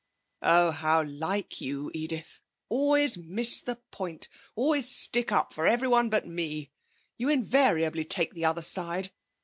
'Oh, how like you, Edith! Always miss the point always stick up for everyone but me! You invariably take the other side.